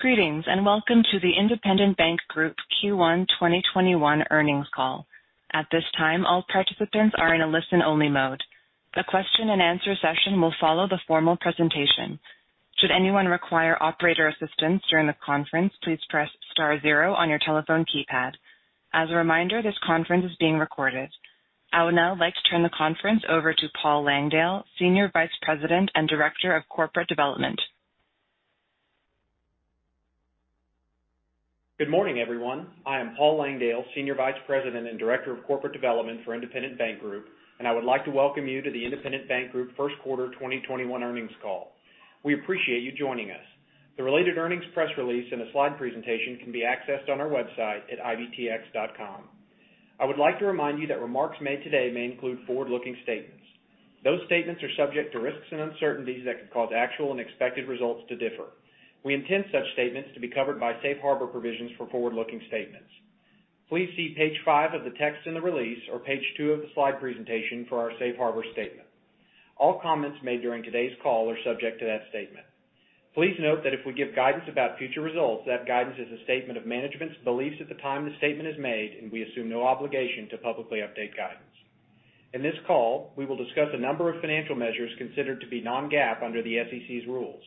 I would now like to turn the conference over to Paul Langdale, Senior Vice President and Director of Corporate Development. Good morning, everyone. I am Paul Langdale, Senior Vice President and Director of Corporate Development for Independent Bank Group, and I would like to welcome you to the Independent Bank Group first quarter 2021 earnings call. We appreciate you joining us. The related earnings press release and a slide presentation can be accessed on our website at ibtx.com. I would like to remind you that remarks made today may include forward-looking statements. Those statements are subject to risks and uncertainties that could cause actual and expected results to differ. We intend such statements to be covered by Safe Harbor provisions for forward-looking statements. Please see page five of the text in the release, or page two of the slide presentation for our Safe Harbor statement. All comments made during today's call are subject to that statement. Please note that if we give guidance about future results, that guidance is a statement of management's beliefs at the time the statement is made, and we assume no obligation to publicly update guidance. In this call, we will discuss a number of financial measures considered to be non-GAAP under the SEC's rules.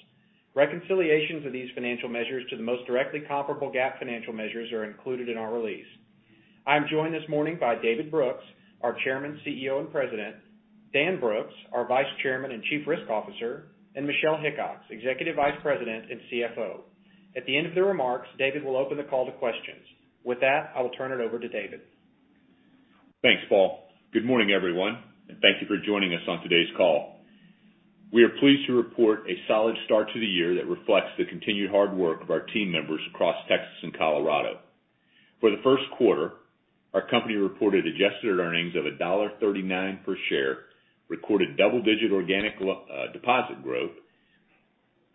Reconciliations of these financial measures to the most directly comparable GAAP financial measures are included in our release. I'm joined this morning by David Brooks, our Chairman, CEO, and President, Dan Brooks, our Vice Chairman and Chief Risk Officer, and Michelle Hickox, Executive Vice President and CFO. At the end of the remarks, David will open the call to questions. With that, I will turn it over to David. Thanks, Paul. Good morning, everyone, and thank you for joining us on today's call. We are pleased to report a solid start to the year that reflects the continued hard work of our team members across Texas and Colorado. For the first quarter, our company reported adjusted earnings of $1.39 per share, recorded double-digit organic deposit growth,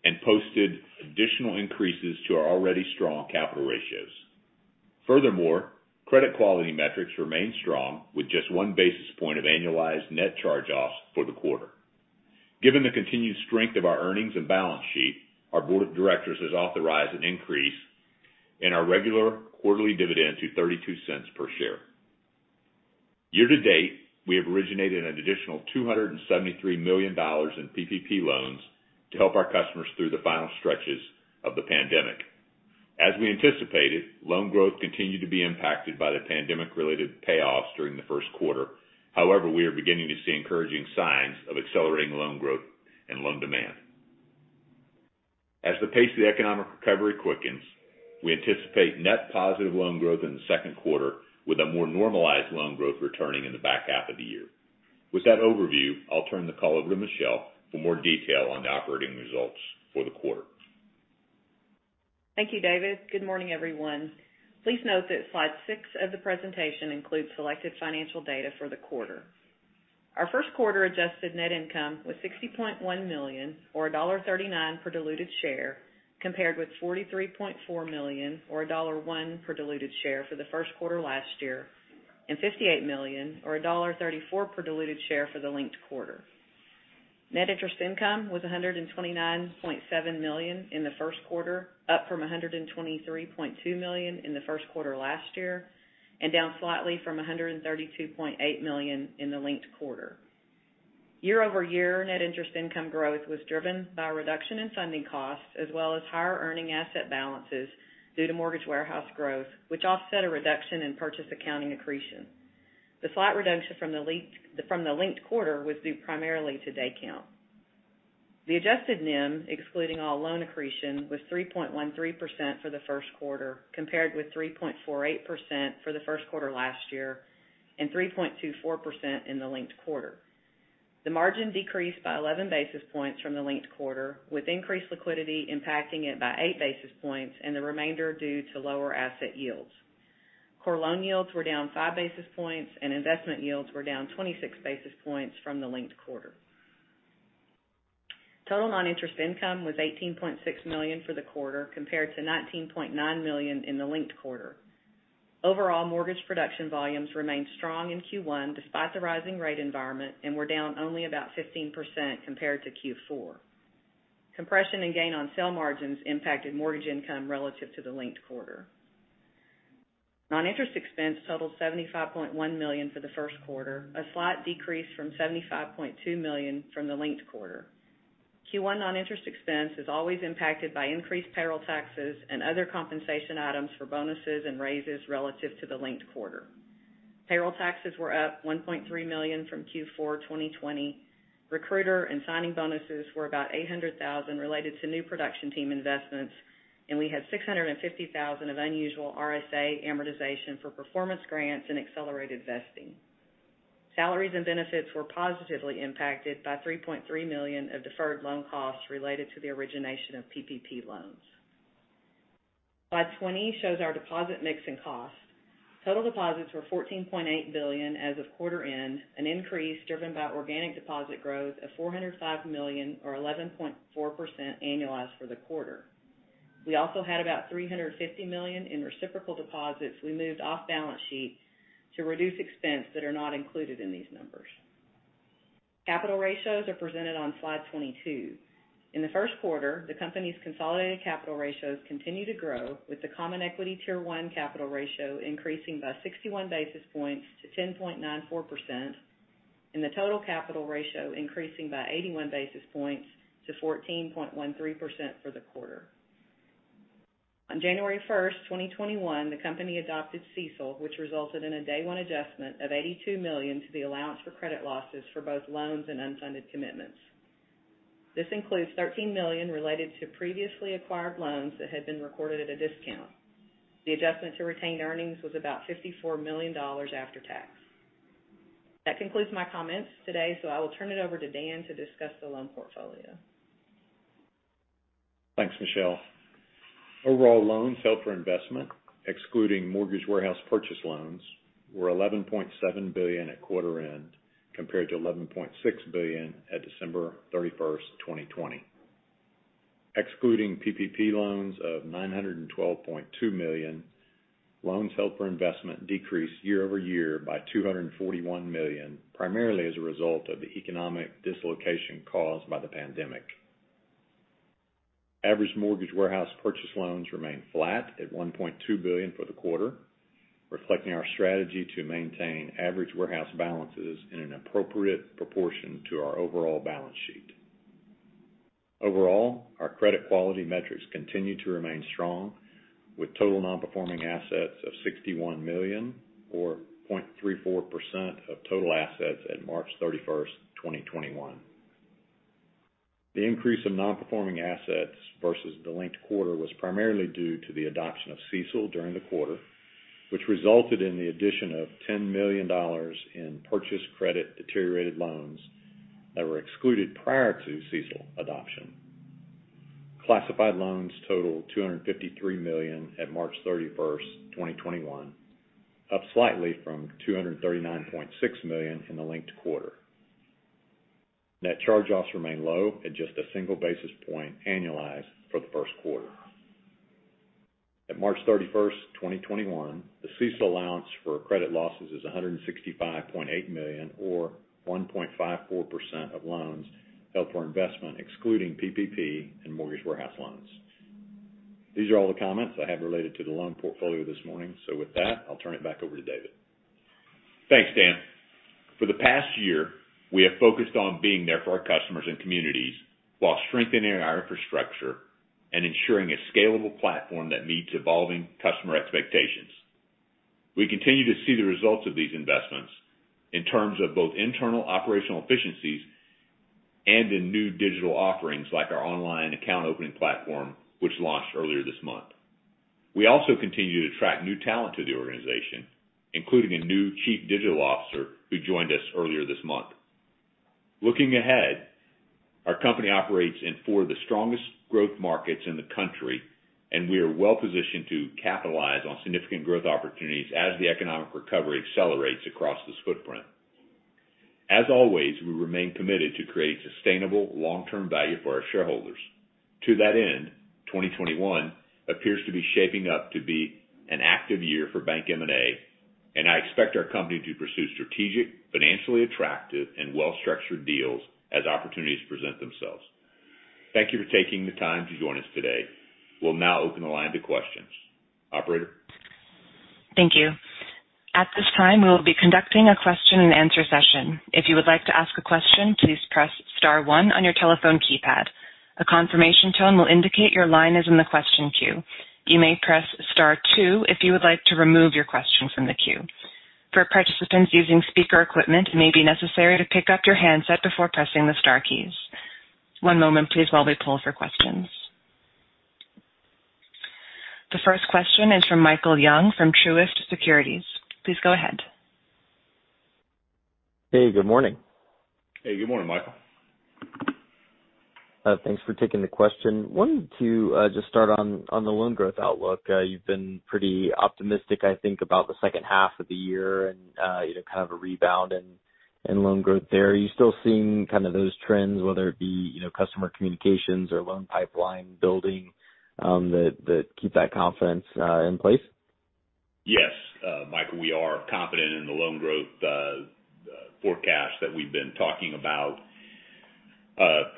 and posted additional increases to our already strong capital ratios. Furthermore, credit quality metrics remain strong with just one basis point of annualized net charge-offs for the quarter. Given the continued strength of our earnings and balance sheet, our board of directors has authorized an increase in our regular quarterly dividend to $0.32 per share. Year to date, we have originated an additional $273 million in PPP loans to help our customers through the final stretches of the pandemic. As we anticipated, loan growth continued to be impacted by the pandemic-related payoffs during the first quarter. However, we are beginning to see encouraging signs of accelerating loan growth and loan demand. As the pace of the economic recovery quickens, we anticipate net positive loan growth in the second quarter, with a more normalized loan growth returning in the back half of the year. With that overview, I'll turn the call over to Michelle for more detail on the operating results for the quarter. Thank you, David. Good morning, everyone. Please note that slide six of the presentation includes selected financial data for the quarter. Our first quarter adjusted net income was $60.1 million, or $1.39 per diluted share, compared with $43.4 million or $1.01 per diluted share for the first quarter last year, and $58 million or $1.34 per diluted share for the linked quarter. Net interest income was $129.7 million in the first quarter, up from $123.2 million in the first quarter last year, and down slightly from $132.8 million in the linked quarter. Year-over-year, net interest income growth was driven by a reduction in funding costs, as well as higher earning asset balances due to mortgage warehouse growth, which offset a reduction in purchase accounting accretion. The slight reduction from the linked quarter was due primarily to day count. The adjusted NIM, excluding all loan accretion, was 3.13% for the first quarter, compared with 3.48% for the first quarter last year, and 3.24% in the linked quarter. The margin decreased by 11 basis points from the linked quarter, with increased liquidity impacting it by eight basis points and the remainder due to lower asset yields. Core loan yields were down five basis points, and investment yields were down 26 basis points from the linked quarter. Total non-interest income was $18.6 million for the quarter compared to $19.9 million in the linked quarter. Overall mortgage production volumes remained strong in Q1 despite the rising rate environment and were down only about 15% compared to Q4. Compression and gain on sale margins impacted mortgage income relative to the linked quarter. Non-interest expense totaled $75.1 million for the first quarter, a slight decrease from $75.2 million from the linked quarter. Q1 non-interest expense is always impacted by increased payroll taxes and other compensation items for bonuses and raises relative to the linked quarter. Payroll taxes were up $1.3 million from Q4 2020. Recruiter and signing bonuses were about $800,000 related to new production team investments, and we had $650,000 of unusual RSA amortization for performance grants and accelerated vesting. Salaries and benefits were positively impacted by $3.3 million of deferred loan costs related to the origination of PPP loans. Slide 20 shows our deposit mix and costs. Total deposits were $14.8 billion as of quarter end, an increase driven by organic deposit growth of $405 million or 11.4% annualized for the quarter. We also had about $350 million in reciprocal deposits we moved off balance sheet to reduce expense that are not included in these numbers. Capital ratios are presented on Slide 22. In the first quarter, the company's consolidated capital ratios continue to grow with the Common Equity Tier 1 capital ratio increasing by 61 basis points to 10.94%, and the total capital ratio increasing by 81 basis points to 14.13% for the quarter. On January 1st, 2021, the company adopted CECL, which resulted in a day one adjustment of $82 million to the allowance for credit losses for both loans and unfunded commitments. This includes $13 million related to previously acquired loans that had been recorded at a discount. The adjustment to retained earnings was about $54 million after tax. That concludes my comments today, so I will turn it over to Dan to discuss the loan portfolio. Thanks, Michelle. Overall loans held for investment, excluding mortgage warehouse purchase loans, were $11.7 billion at quarter end, compared to $11.6 billion at December 31st, 2020. Excluding PPP loans of $912.2 million, loans held for investment decreased year-over-year by $241 million, primarily as a result of the economic dislocation caused by the pandemic. Average mortgage warehouse purchase loans remained flat at $1.2 billion for the quarter, reflecting our strategy to maintain average warehouse balances in an appropriate proportion to our overall balance sheet. Overall, our credit quality metrics continue to remain strong, with total non-performing assets of $61 million, or 0.34% of total assets at March 31st, 2021. The increase in non-performing assets versus the linked quarter was primarily due to the adoption of CECL during the quarter, which resulted in the addition of $10 million in purchased credit deteriorated loans that were excluded prior to CECL adoption. Classified loans totaled $253 million at March 31st, 2021, up slightly from $239.6 million in the linked quarter. Net charge-offs remain low at just a single basis point annualized for the first quarter. At March 31st, 2021, the CECL allowance for credit losses is $165.8 million, or 1.54% of loans held for investment, excluding PPP and mortgage warehouse loans. These are all the comments I have related to the loan portfolio this morning. With that, I'll turn it back over to David. Thanks, Dan. For the past year, we have focused on being there for our customers and communities while strengthening our infrastructure and ensuring a scalable platform that meets evolving customer expectations. We continue to see the results of these investments in terms of both internal operational efficiencies and in new digital offerings like our online account opening platform, which launched earlier this month. We also continue to attract new talent to the organization, including a new chief digital officer who joined us earlier this month. Looking ahead, our company operates in four of the strongest growth markets in the country, and we are well positioned to capitalize on significant growth opportunities as the economic recovery accelerates across this footprint. As always, we remain committed to create sustainable long-term value for our shareholders. To that end, 2021 appears to be shaping up to be an active year for bank M&A, and I expect our company to pursue strategic, financially attractive, and well-structured deals as opportunities present themselves. Thank you for taking the time to join us today. We'll now open the line to questions. Operator? Thank you. The first question is from Michael Young, from Truist Securities. Please go ahead. Hey, good morning. Hey, good morning, Michael. Thanks for taking the question. Wanted to just start on the loan growth outlook. You've been pretty optimistic, I think, about the second half of the year and kind of a rebound in loan growth there. Are you still seeing those trends, whether it be customer communications or loan pipeline building, that keep that confidence in place? Yes. Michael, we are confident in the loan growth forecast that we've been talking about.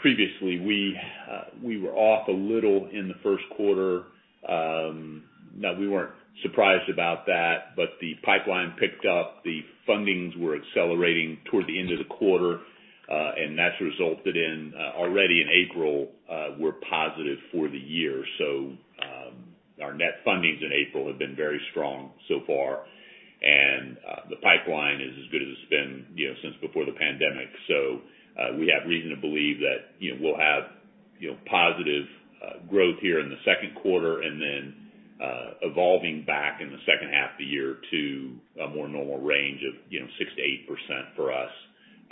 Previously, we were off a little in the first quarter. We weren't surprised about that, but the pipeline picked up. The fundings were accelerating towards the end of the quarter, and that's resulted in already in April, we're positive for the year. Our net fundings in April have been very strong so far. The pipeline is as good as it's been since before the pandemic. We have reason to believe that we'll have positive growth here in the second quarter and then evolving back in the second half of the year to a more normal range of 6%-8% for us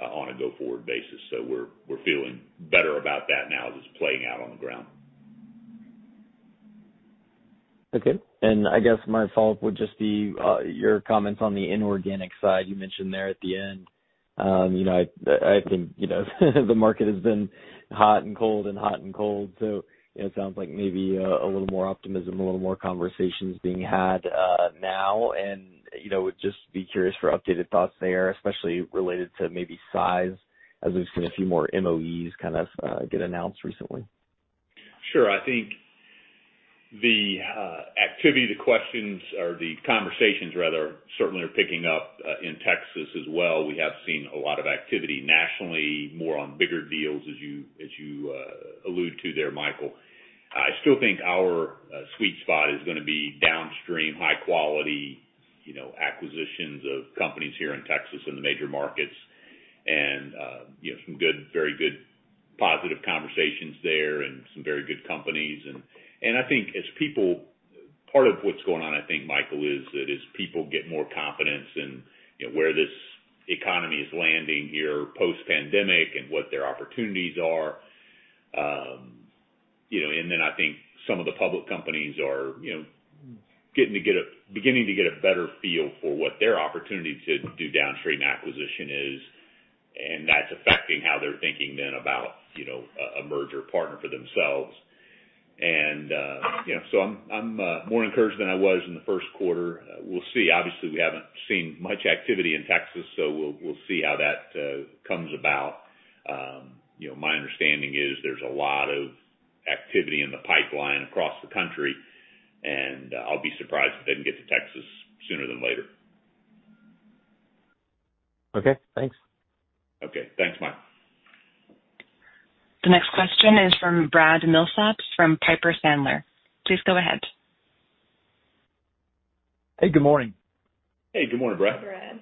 on a go forward basis. We're feeling better about that now as it's playing out on the ground. Okay. I guess my follow-up would just be your comments on the inorganic side you mentioned there at the end. I think the market has been hot and cold and hot and cold, so it sounds like maybe a little more optimism, a little more conversations being had now, and would just be curious for updated thoughts there, especially related to maybe size, as we've seen a few more MOEs kind of get announced recently. Sure. I think the activity, the questions or the conversations rather, certainly are picking up in Texas as well. We have seen a lot of activity nationally, more on bigger deals as you allude to there, Michael. I still think our sweet spot is going to be downstream high quality acquisitions of companies here in Texas in the major markets and some very good positive conversations there and some very good companies. I think part of what's going on, I think, Michael, is that as people get more confidence in where this economy is landing here post-pandemic and what their opportunities are. I think some of the public companies are beginning to get a better feel for what their opportunity to do downstream acquisition is, and that's affecting how they're thinking then about a merger partner for themselves. I'm more encouraged than I was in the first quarter. We'll see. Obviously, we haven't seen much activity in Texas, so we'll see how that comes about. My understanding is there's a lot of activity in the pipeline across the country, and I'll be surprised if it didn't get to Texas sooner than later. Okay, thanks. Okay. Thanks, Michael. The next question is from Brad Milsaps from Piper Sandler. Please go ahead. Hey, good morning. Hey, good morning, Brad. Hey,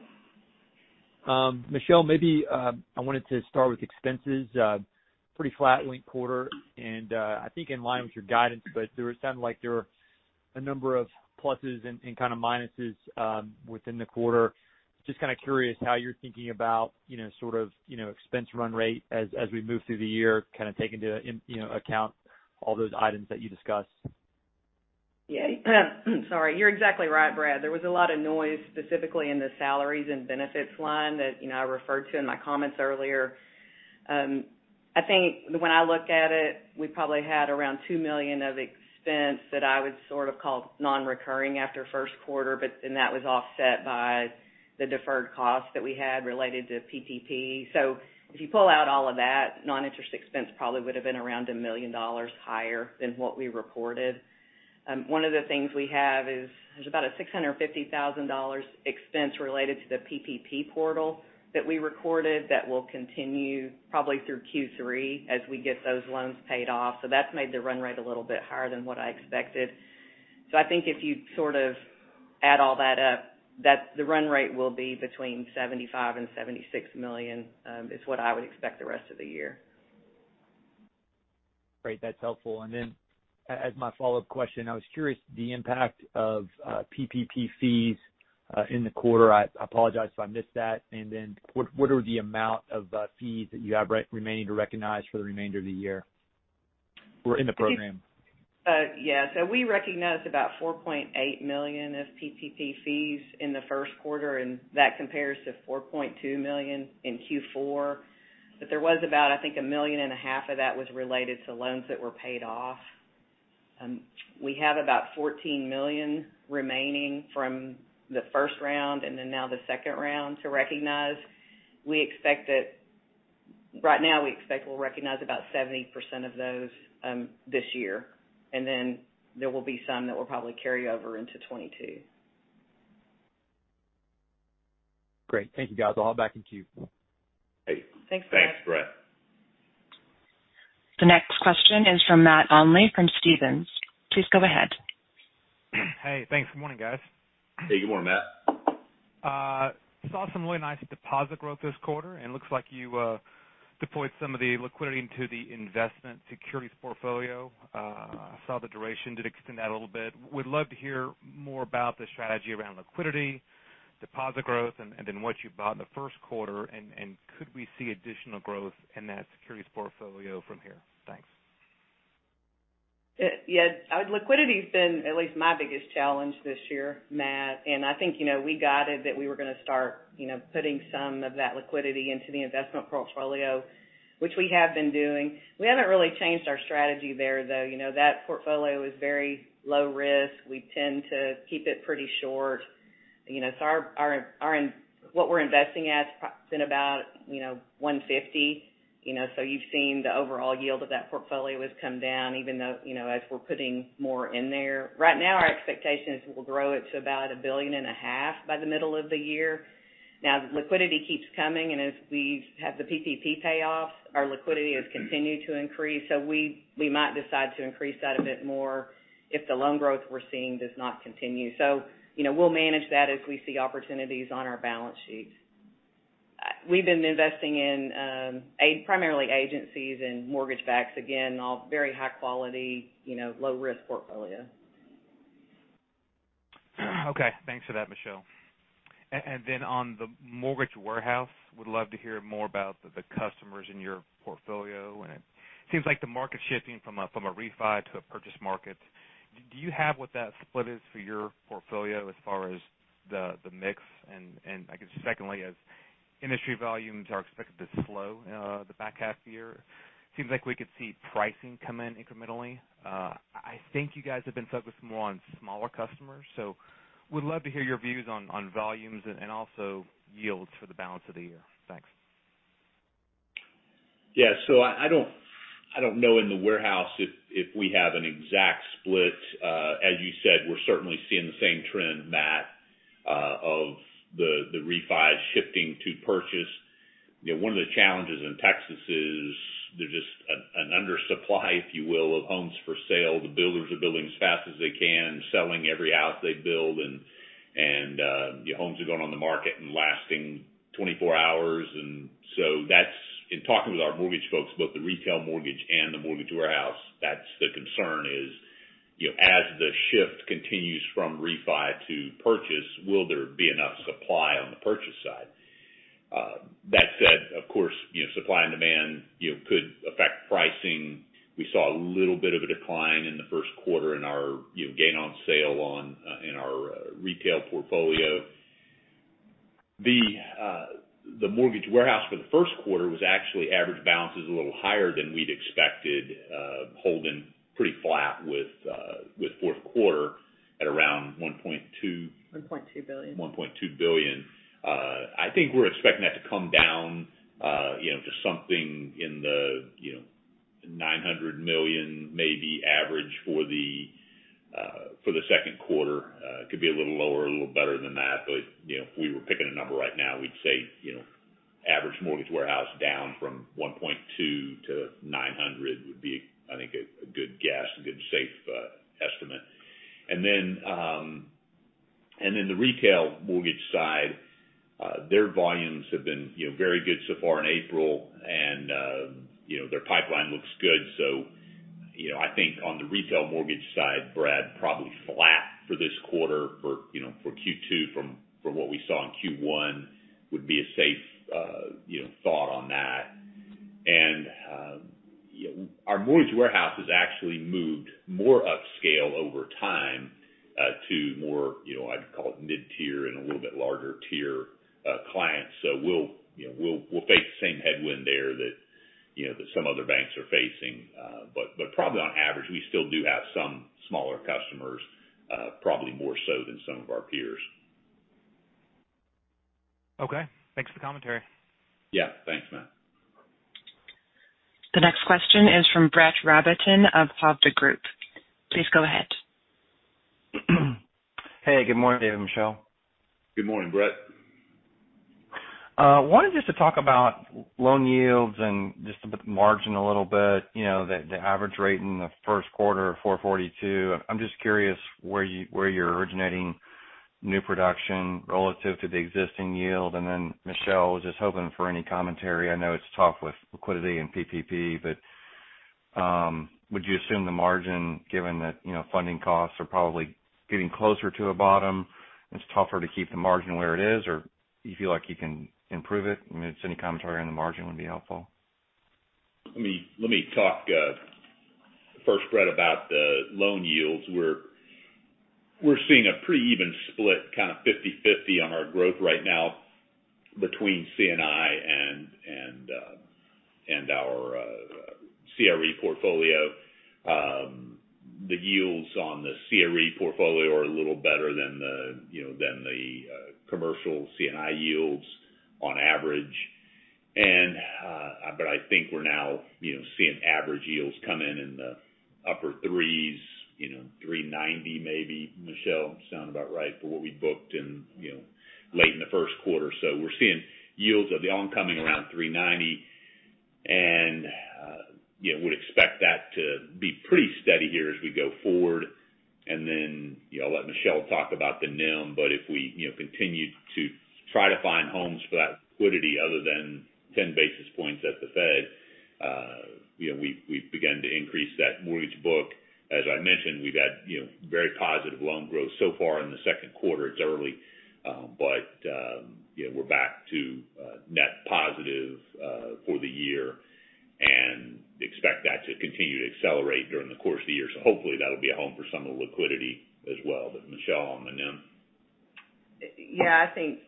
Brad. Michelle, maybe I wanted to start with expenses. Pretty flat linked quarter and I think in line with your guidance, but it sounded like there were a number of pluses and kind of minuses within the quarter. Just kind of curious how you're thinking about sort of expense run rate as we move through the year, kind of taking into account all those items that you discussed. Yeah. Sorry. You're exactly right, Brad. There was a lot of noise, specifically in the salaries and benefits line that I referred to in my comments earlier. I think when I look at it, we probably had around $2 million of expense that I would sort of call non-recurring after first quarter. That was offset by the deferred cost that we had related to PPP. If you pull out all of that, non-interest expense probably would've been around a million dollars higher than what we recorded. One of the things we have is there's about a $650,000 expense related to the PPP portal that we recorded that will continue probably through Q3 as we get those loans paid off. That's made the run rate a little bit higher than what I expected. I think if you sort of add all that up, the run rate will be between $75 million and $76 million, is what I would expect the rest of the year. Great. That's helpful. As my follow-up question, I was curious the impact of PPP fees in the quarter. I apologize if I missed that. What are the amount of fees that you have remaining to recognize for the remainder of the year in the program? Yeah. We recognized about $4.8 million of PPP fees in the first quarter, and that compares to $4.2 million in Q4. There was about, I think, $1.5 million of that was related to loans that were paid off. We have about $14 million remaining from the first round and then now the second round to recognize. Right now, we expect we'll recognize about 70% of those this year, and then there will be some that will probably carry over into 2022. Great. Thank you, guys. I'll hop back in queue. Hey. Thanks, Brad. Thanks, Brad. The next question is from Matt Olney from Stephens. Please go ahead. Hey, thanks. Good morning, guys. Hey, good morning, Matt. Saw some really nice deposit growth this quarter, and it looks like you deployed some of the liquidity into the investment securities portfolio. Saw the duration did extend that a little bit. Would love to hear more about the strategy around liquidity, deposit growth, and then what you bought in the first quarter, and could we see additional growth in that securities portfolio from here? Thanks. Yeah. Liquidity's been at least my biggest challenge this year, Matt Olney. I think we guided that we were going to start putting some of that liquidity into the investment portfolio, which we have been doing. We haven't really changed our strategy there, though. That portfolio is very low risk. We tend to keep it pretty short. What we're investing at has been about 1.50%. You've seen the overall yield of that portfolio has come down even though as we're putting more in there. Right now, our expectation is we'll grow it to about a billion and a half by the middle of the year. Liquidity keeps coming. As we have the PPP payoffs, our liquidity has continued to increase. We might decide to increase that a bit more if the loan growth we're seeing does not continue. We'll manage that as we see opportunities on our balance sheets. We've been investing in primarily agencies and mortgage backs, again, all very high quality, low risk portfolio. Okay. Thanks for that, Michelle. Then on the mortgage warehouse, would love to hear more about the customers in your portfolio. It seems like the market's shifting from a refi to a purchase market. Do you have what that split is for your portfolio as far as the mix? I guess secondly, as industry volumes are expected to slow the back half of the year, seems like we could see pricing come in incrementally. I think you guys have been focused more on smaller customers, so would love to hear your views on volumes and also yields for the balance of the year. Thanks. Yes. I don't know in the warehouse if we have an exact split. As you said, we're certainly seeing the same trend, Matt, of the refi shifting to purchase. One of the challenges in Texas is there's just an undersupply, if you will, of homes for sale. The builders are building as fast as they can, selling every house they build, and the homes are going on the market and lasting 24 hours. In talking with our mortgage folks, both the retail mortgage and the mortgage warehouse, that's the concern is, as the shift continues from refi to purchase, will there be enough supply on the purchase side? That said, of course, supply and demand could affect pricing. We saw a little bit of a decline in the first quarter in our gain on sale in our retail portfolio. The mortgage warehouse for the first quarter was actually average balances a little higher than we'd expected, holding pretty flat with fourth quarter at around $1.2-. $1.2 billion. $1.2 billion. I think we're expecting that to come down to something in the $900 million maybe average for the second quarter. Could be a little lower, a little better than that. If we were picking a number right now, we'd say average mortgage warehouse down from $1.2 billion-$900 million would be, I think, a good guess, a good safe estimate. The retail mortgage side, their volumes have been very good so far in April. Their pipeline looks good. I think on the retail mortgage side, Brad, probably flat for this quarter for Q2 from what we saw in Q1 would be a safe thought on that. Our mortgage warehouse has actually moved more upscale over time to more, I'd call it mid-tier and a little bit larger tier clients. We'll face the same headwind there that some other banks are facing. Probably on average, we still do have some smaller customers, probably more so than some of our peers. Okay. Thanks for the commentary. Yeah. Thanks, Matt. The next question is from Brett Rabatin of Hovde Group. Please go ahead. Hey, good morning, David and Michelle. Good morning, Brett. Wanted just to talk about loan yields and just about the margin a little bit, the average rate in the first quarter, 4.42%. I'm just curious where you're originating new production relative to the existing yield. Michelle, was just hoping for any commentary. I know it's tough with liquidity and PPP, would you assume the margin given that funding costs are probably getting closer to a bottom and it's tougher to keep the margin where it is? Do you feel like you can improve it? I mean, any commentary on the margin would be helpful. Let me talk first, Brett, about the loan yields. We're seeing a pretty even split, kind of 50/50 on our growth right now between C&I and our CRE portfolio. The yields on the CRE portfolio are a little better than the commercial C&I yields on average. I think we're now seeing average yields come in in the upper threes, 390 maybe. Michelle, sound about right for what we booked in late in the first quarter. We're seeing yields of the oncoming around 390, and would expect that to be pretty steady here as we go forward. I'll let Michelle talk about the NIM, if we continue to try to find homes for that liquidity other than 10 basis points at the Fed, we've begun to increase that mortgage book. As I mentioned, we've had very positive loan growth so far in the second quarter. It's early, but we're back to net positive for the year and expect that to continue to accelerate during the course of the year. Hopefully that'll be a home for some of the liquidity as well. Michelle on the NIM. Yeah, I think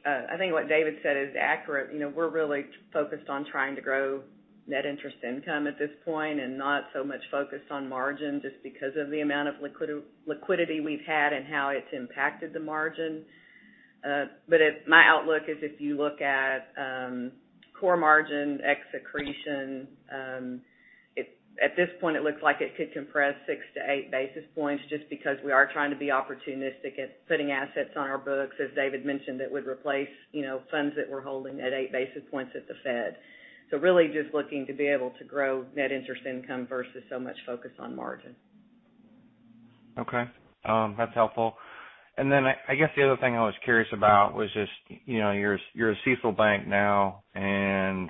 what David said is accurate. We're really focused on trying to grow net interest income at this point and not so much focused on margin just because of the amount of liquidity we've had and how it's impacted the margin. My outlook is if you look at core margin, ex accretion, at this point, it looks like it could compress 6-8 basis points just because we are trying to be opportunistic at putting assets on our books. As David mentioned, it would replace funds that we're holding at 8 basis points at the Fed. Really just looking to be able to grow net interest income versus so much focus on margin. Okay. That's helpful. I guess the other thing I was curious about was just you're a CECL bank now, and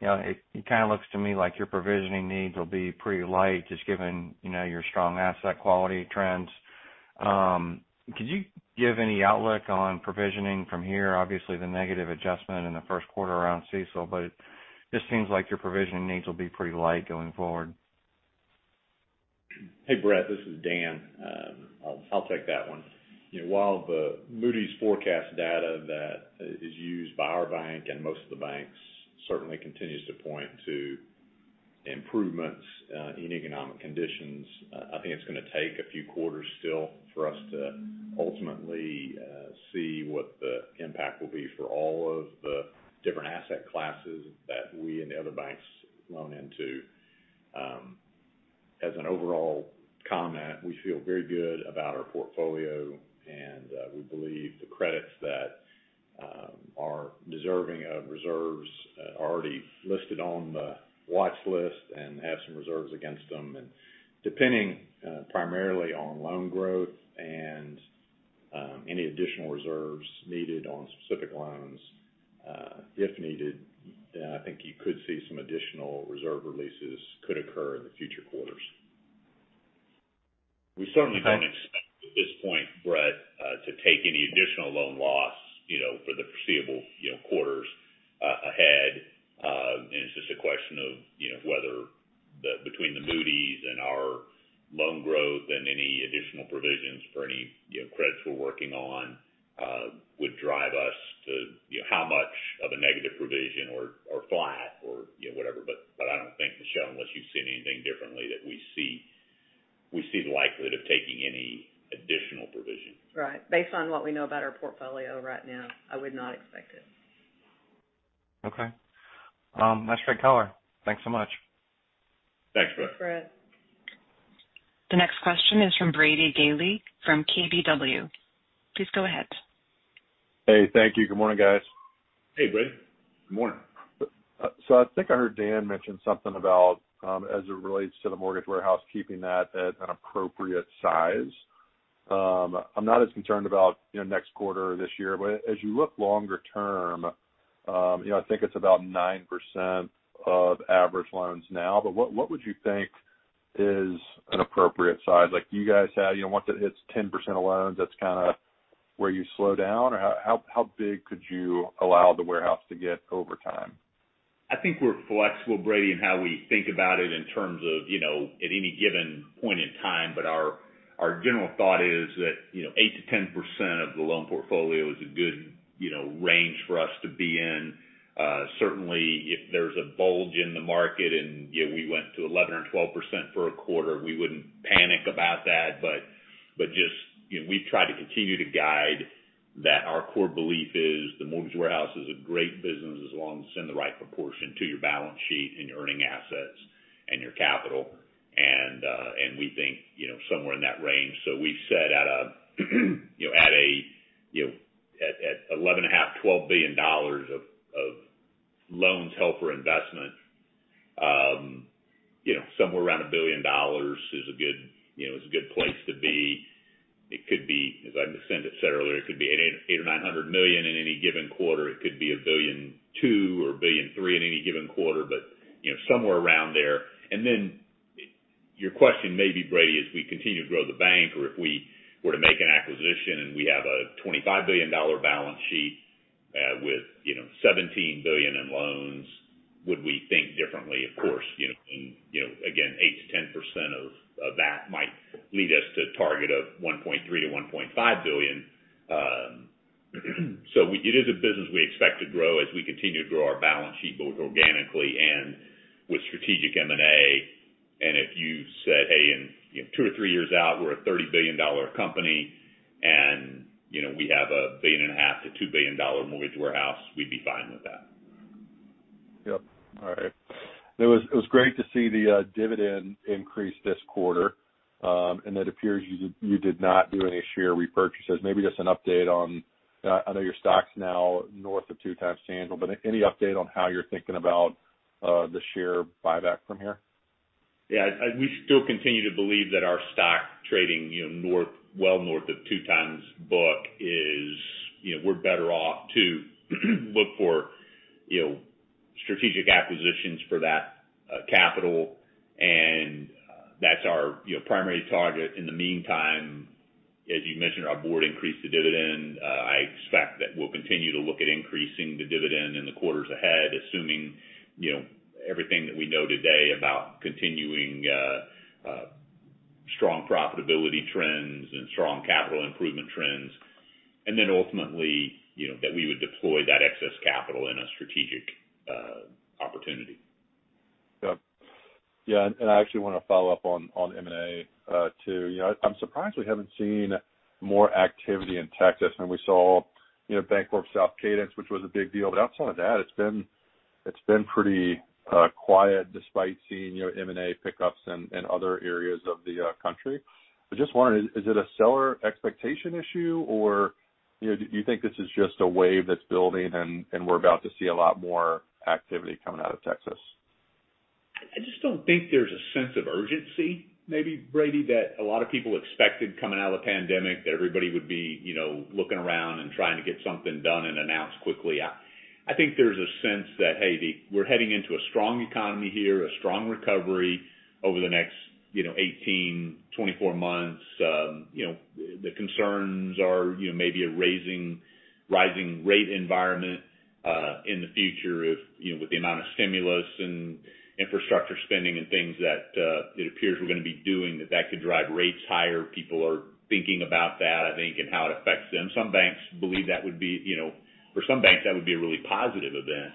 it kind of looks to me like your provisioning needs will be pretty light, just given your strong asset quality trends. Could you give any outlook on provisioning from here? Obviously, the negative adjustment in the first quarter around CECL, but it just seems like your provisioning needs will be pretty light going forward. Hey, Brett, this is Dan. I'll take that one. The Moody's forecast data that is used by our bank and most of the banks certainly continues to point to improvements in economic conditions. I think it's going to take a few quarters still for us to ultimately see what the impact will be for all of the different asset classes that we and the other banks loan into. As an overall comment, we feel very good about our portfolio, and we believe the credits that are deserving of reserves are already listed on the watchlist and have some reserves against them. Depending primarily on loan growth and any additional reserves needed on specific loans, if needed, then I think you could see some additional reserve releases could occur in the future quarters. We certainly at this point, Brett, to take any additional loan loss for the foreseeable quarters ahead. It's just a question of whether between the Moody's and our loan growth and any additional provisions for any credits we're working on would drive us to how much of a negative provision or flat or whatever. I don't think, Michelle, unless you've seen anything differently, that we see the likelihood of taking any additional provision. Right. Based on what we know about our portfolio right now, I would not expect it. Okay. That's fair color. Thanks so much. Thanks, Brett. Brett. The next question is from Brady Gailey from KBW. Please go ahead. Hey, thank you. Good morning, guys. Hey, Brady. Good morning. I think I heard Dan mention something about, as it relates to the mortgage warehouse, keeping that at an appropriate size. I'm not as concerned about next quarter or this year, but as you look longer term, I think it's about 9% of average loans now, but what would you think is an appropriate size? Like you guys have, once it hits 10% of loans, that's kind of where you slow down? How big could you allow the warehouse to get over time? I think we're flexible, Brady, in how we think about it in terms of at any given point in time. Our general thought is that 8%-10% of the loan portfolio is a good range for us to be in. Certainly, if there's a bulge in the market and we went to 11% or 12% for a quarter, we wouldn't panic about that. Just, we've tried to continue to guide that our core belief is the mortgage warehouse is a great business as long as it's in the right proportion to your balance sheet and your earning assets and your capital. We think somewhere in that range. We've said at $11.5 billion, $12 billion of loans held for investment, somewhere around a billion dollars is a good place to be. It could be, as I just said earlier, it could be $800 million or $900 million in any given quarter. It could be $1.2 billion or $1.3 billion in any given quarter, but somewhere around there. Then your question may be, Brady, as we continue to grow the bank or if we were to make an acquisition and we have a $25 billion balance sheet with $17 billion in loans, would we think differently? Of course. Again, 8%-10% of that might lead us to a target of $1.3 billion-$1.5 billion. It is a business we expect to grow as we continue to grow our balance sheet both organically and with strategic M&A. If you said, "Hey, in two to three years out, we're a $30 billion company, and we have $1.5 billion-$2 billion mortgage warehouse," we'd be fine with that. Yep. All right. It was great to see the dividend increase this quarter. It appears you did not do any share repurchases. Maybe just an update on, I know your stock's now north of 2x tangible, but any update on how you're thinking about the share buyback from here? Yeah. We still continue to believe that our stock trading well north of 2x book is we're better off to look for strategic acquisitions for that capital, and that's our primary target. In the meantime, as you mentioned, our board increased the dividend. I expect that we'll continue to look at increasing the dividend in the quarters ahead, assuming everything that we know today about continuing strong profitability trends and strong capital improvement trends. Ultimately, that we would deploy that excess capital in a strategic opportunity. Yep. Yeah, I actually want to follow up on M&A too. I'm surprised we haven't seen more activity in Texas. I mean, we saw BancorpSouth, Cadence, which was a big deal. Outside of that, it's been pretty quiet despite seeing your M&A pickups in other areas of the country. I just wonder, is it a seller expectation issue, or do you think this is just a wave that's building and we're about to see a lot more activity coming out of Texas? I just don't think there's a sense of urgency, maybe, Brady, that a lot of people expected coming out of the pandemic, that everybody would be looking around and trying to get something done and announced quickly. I think there's a sense that, hey, we're heading into a strong economy here, a strong recovery over the next 18, 24 months. The concerns are maybe a rising rate environment in the future with the amount of stimulus and infrastructure spending and things that it appears we're going to be doing that that could drive rates higher. People are thinking about that, I think, and how it affects them. For some banks, that would be a really positive event.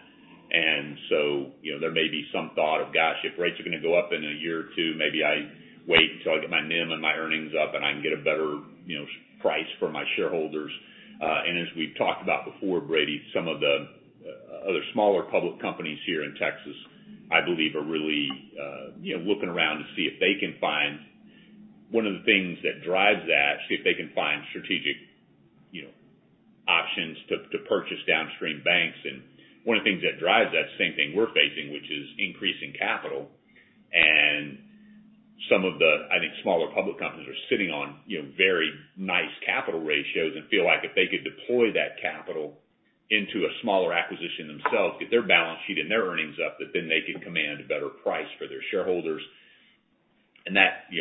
There may be some thought of, gosh, if rates are going to go up in a year or two, maybe I wait until I get my NIM and my earnings up and I can get a better price for my shareholders. As we've talked about before, Brady, some of the other smaller public companies here in Texas, I believe are really looking around to see if they can find one of the things that drives that, see if they can find strategic options to purchase downstream banks. One of the things that drives that same thing we're facing, which is increasing capital. Some of the, I think, smaller public companies are sitting on very nice capital ratios and feel like if they could deploy that capital into a smaller acquisition themselves, get their balance sheet and their earnings up, that then they could command a better price for their shareholders.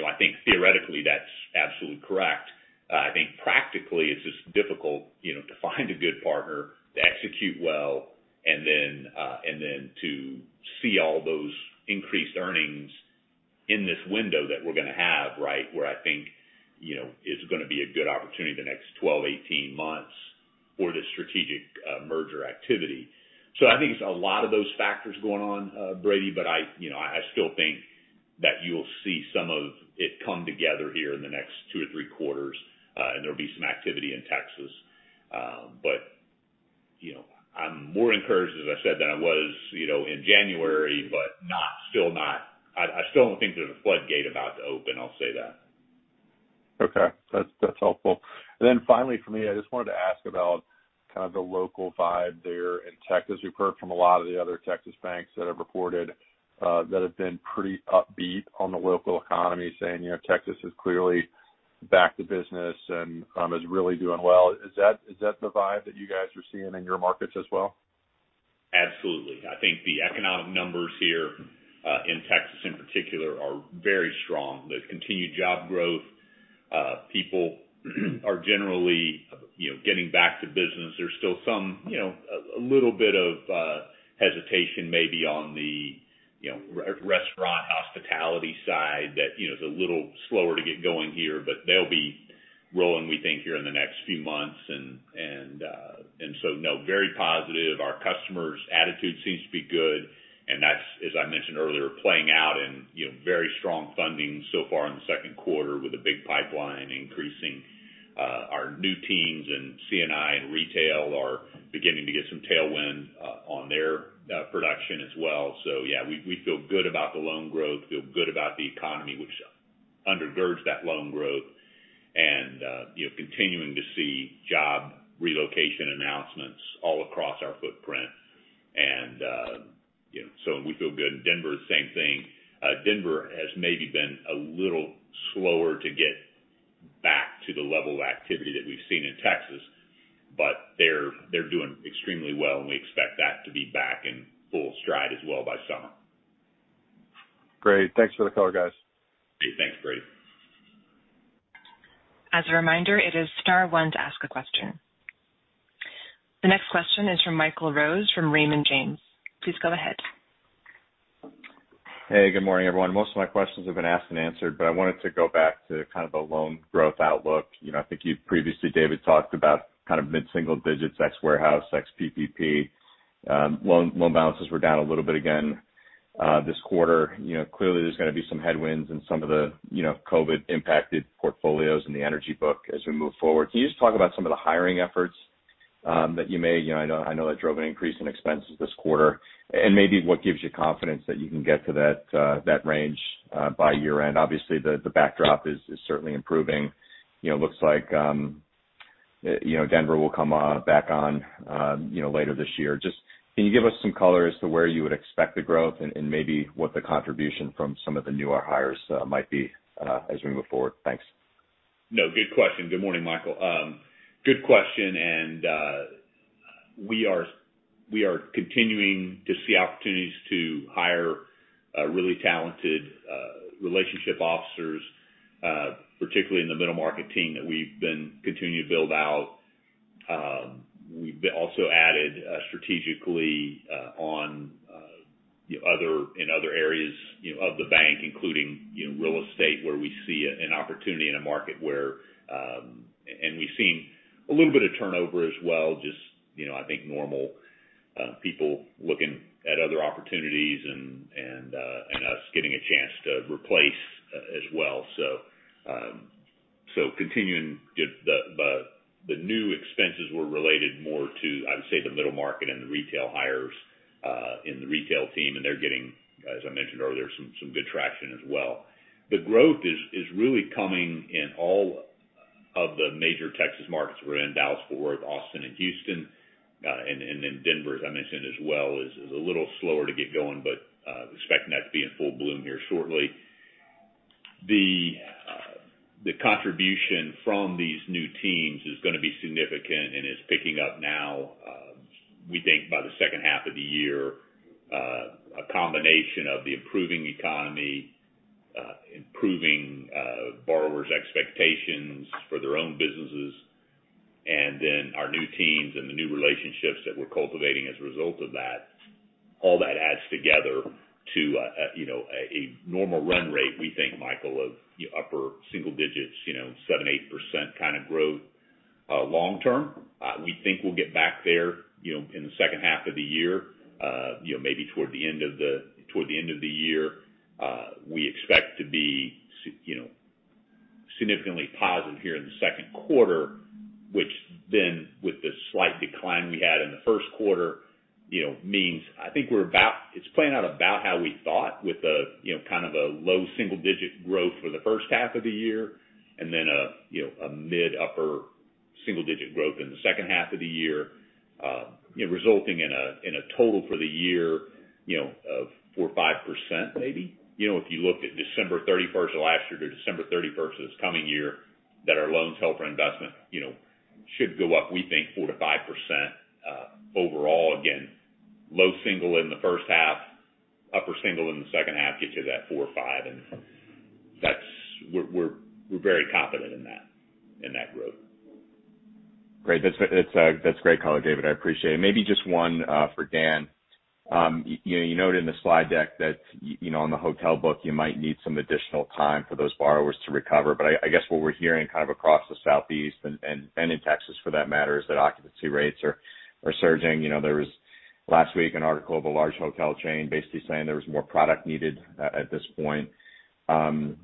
I think theoretically, that's absolutely correct. I think practically, it's just difficult to find a good partner, to execute well, and then to see all those increased earnings in this window that we're going to have, right? Where I think it's going to be a good opportunity the next 12-18 months for the strategic merger activity. I think it's a lot of those factors going on, Brady, but I still think that you'll see some of it come together here in the next two or three quarters, and there'll be some activity in Texas. I'm more encouraged, as I said, than I was in January, but I still don't think there's a floodgate about to open, I'll say that. Okay. That's helpful. Then finally from me, I just wanted to ask about kind of the local vibe there in Texas. We've heard from a lot of the other Texas banks that have reported that have been pretty upbeat on the local economy, saying, Texas is clearly back to business and is really doing well. Is that the vibe that you guys are seeing in your markets as well? Absolutely. I think the economic numbers here, in Texas in particular, are very strong. The continued job growth. People are generally getting back to business. There's still a little bit of hesitation maybe on the restaurant hospitality side that is a little slower to get going here, but they'll be rolling, we think, here in the next few months. No, very positive. Our customers' attitude seems to be good, and that's, as I mentioned earlier, playing out in very strong funding so far in the second quarter with a big pipeline increasing. Our new teams in C&I and retail are beginning to get some tailwind on their production as well. Yeah, we feel good about the loan growth, feel good about the economy, which undergirds that loan growth and continuing to see job relocation announcements all across our footprint. We feel good. Denver, same thing. Denver has maybe been a little slower to get back to the level of activity that we've seen in Texas, but they're doing extremely well, and we expect that to be back in full stride as well by summer. Great. Thanks for the color, guys. Hey, thanks, Brady. As a reminder, it is star one to ask a question. The next question is from Michael Rose from Raymond James. Please go ahead. Hey, good morning, everyone. Most of my questions have been asked and answered, I wanted to go back to kind of the loan growth outlook. I think you previously, David, talked about kind of mid-single digits ex warehouse, ex PPP. Loan balances were down a little bit again this quarter. Clearly, there's going to be some headwinds in some of the COVID-impacted portfolios in the energy book as we move forward. Can you just talk about some of the hiring efforts that I know that drove an increase in expenses this quarter, maybe what gives you confidence that you can get to that range by year-end. Obviously, the backdrop is certainly improving. Looks like Denver will come back on later this year. Just can you give us some color as to where you would expect the growth and maybe what the contribution from some of the newer hires might be as we move forward? Thanks. Good question. Good morning, Michael. Good question, we are continuing to see opportunities to hire really talented relationship officers, particularly in the middle market team that we've been continuing to build out. We've also added strategically in other areas of the bank, including real estate, where we see an opportunity in a market. We've seen a little bit of turnover as well, just I think normal people looking at other opportunities and us getting a chance to replace as well. Continuing the new expenses were related more to, I'd say, the middle market and the retail hires in the retail team, and they're getting, as I mentioned earlier, some good traction as well. The growth is really coming in all of the major Texas markets we're in, Dallas, Fort Worth, Austin, and Houston. Denver, as I mentioned as well, is a little slower to get going, but expecting that to be in full bloom here shortly. The contribution from these new teams is going to be significant and is picking up now. We think by the second half of the year, a combination of the improving economy, improving borrowers' expectations for their own businesses, and then our new teams and the new relationships that we're cultivating as a result of that. All that adds together to a normal run rate, we think, Michael, of upper single digits, 7%-8% kind of growth. Long-term, we think we'll get back there in the second half of the year, maybe toward the end of the year. We expect to be significantly positive here in the second quarter, which then with the slight decline we had in the first quarter, means I think it's playing out about how we thought with a low single-digit growth for the first half of the year, and then a mid upper single-digit growth in the second half of the year, resulting in a total for the year, of 4% or 5%, maybe. If you look at December 31st of last year to December 31st of this coming year, that our loans held for investment should go up, we think, 4%-5% overall. Again, low single in the first half, upper single in the second half gets you that 4% or 5%, and we're very confident in that growth. Great. That's great color, David, I appreciate it. Maybe just one for Dan. You note in the slide deck that on the hotel book, you might need some additional time for those borrowers to recover. I guess what we're hearing kind of across the Southeast and in Texas for that matter, is that occupancy rates are surging. There was last week an article of a large hotel chain basically saying there was more product needed at this point. Can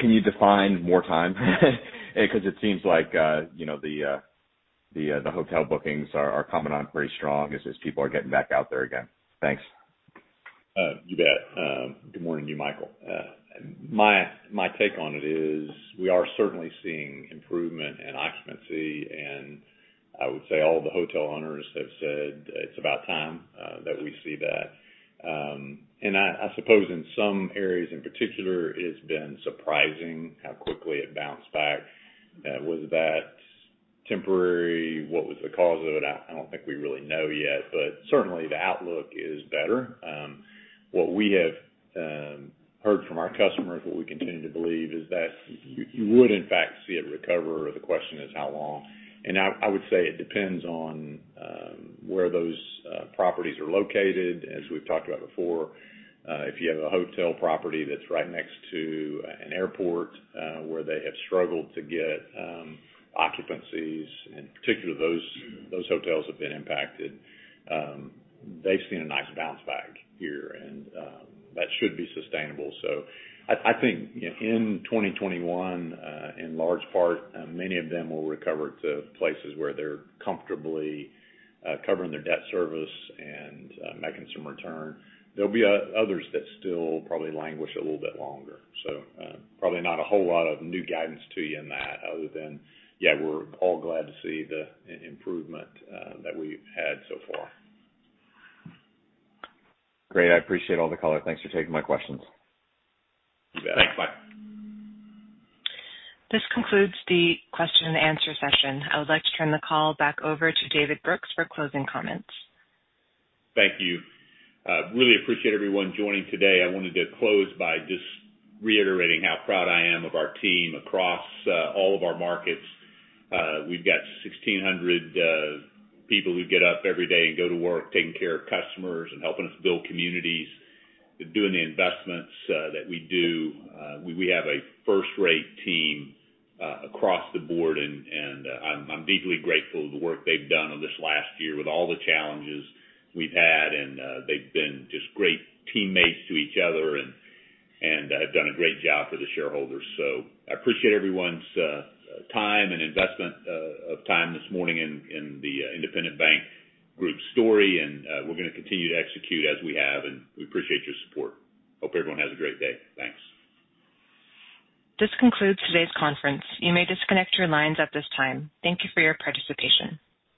you define more time? It seems like the hotel bookings are coming on pretty strong as people are getting back out there again. Thanks. You bet. Good morning to you, Michael. My take on it is we are certainly seeing improvement in occupancy, I would say all the hotel owners have said it's about time that we see that. I suppose in some areas, in particular, it's been surprising how quickly it bounced back. Was that temporary? What was the cause of it? I don't think we really know yet, certainly, the outlook is better. What we have heard from our customers, what we continue to believe is that you would in fact see it recover. The question is how long. I would say it depends on where those properties are located. As we've talked about before, if you have a hotel property that's right next to an airport where they have struggled to get occupancies, in particular, those hotels have been impacted. They've seen a nice bounce back here, and that should be sustainable. I think in 2021, in large part, many of them will recover to places where they're comfortably covering their debt service and making some return. There'll be others that still probably languish a little bit longer. Probably not a whole lot of new guidance to you on that other than, yeah, we're all glad to see the improvement that we've had so far. Great. I appreciate all the color. Thanks for taking my questions. You bet. Thanks. Mike. This concludes the question and answer session. I would like to turn the call back over to David Brooks for closing comments. Thank you. Really appreciate everyone joining today. I wanted to close by just reiterating how proud I am of our team across all of our markets. We've got 1,600 people who get up every day and go to work, taking care of customers and helping us build communities, doing the investments that we do. We have a first-rate team across the board, and I'm deeply grateful of the work they've done on this last year with all the challenges we've had. They've been just great teammates to each other and have done a great job for the shareholders. I appreciate everyone's time and investment of time this morning in the Independent Bank Group story, and we're going to continue to execute as we have, and we appreciate your support. Hope everyone has a great day. Thanks. This concludes today's conference. You may disconnect your lines at this time. Thank you for your participation.